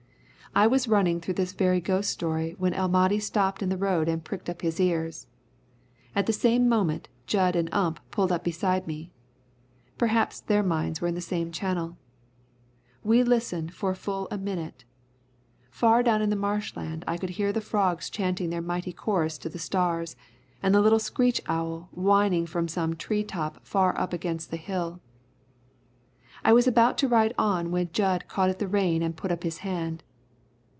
I was running through this very ghost story when El Mahdi stopped in the road and pricked up his ears. At the same moment Jud and Ump pulled up beside me. Perhaps their minds were in the same channel. We listened for full a minute. Far down in the marsh land I could hear the frogs chanting their mighty chorus to the stars, and the little screech owl whining from some tree top far up against the hill. I was about to ride on when Jud caught at the rein and put up his hand.